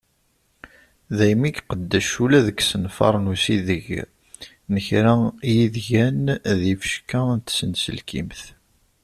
Daymi i iqeddec ula deg yiṣenfaṛen n usideg n kra n yidigan d yifecka n tsenselkimt.